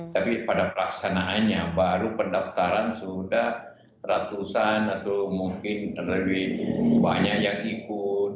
tapi pada pelaksanaannya baru pendaftaran sudah ratusan atau mungkin lebih banyak yang ikut